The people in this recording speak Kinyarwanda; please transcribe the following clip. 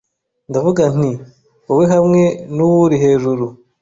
Ndavuga nti Wowe hamwe n'uwuri hejuru